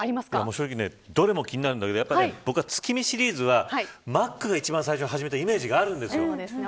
正直、どれも気になるんだけど僕は月見シリーズはマックが一番最初に始めたイメージがあるんですよ。